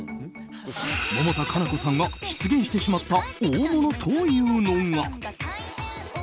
百田夏菜子さんが失言してしまった大物というのが。